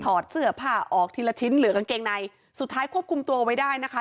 ถอดเสื้อผ้าออกทีละชิ้นเหลือกางเกงในสุดท้ายควบคุมตัวไว้ได้นะคะ